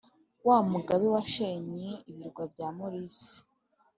wa mugabe washenye ibirwa bya morise